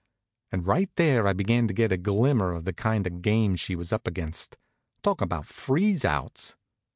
And right there I began to get a glimmer of the kind of game she was up against. Talk about freeze outs!